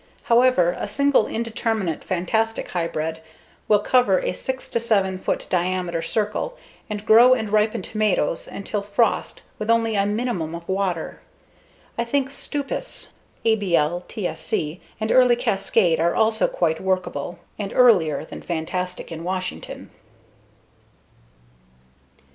However, a single indeterminate Fantastic Hybrid will cover a 6 to 7 foot diameter circle, and grow and ripen tomatoes until frost with only a minimum of water. I think Stupice (ABL, TSC) and Early Cascade are also quite workable (and earlier than Fantastic in Washington).